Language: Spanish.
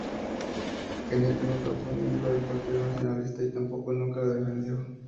Hennig nunca fue miembro del partido nacionalsocialista, y tampoco nunca lo defendió.